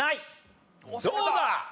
どうだ？